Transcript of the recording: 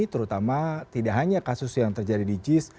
terutama tidak hanya kasus yang terjadi di jis